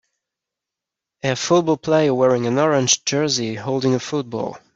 a football player wearing an orange jersey holding a football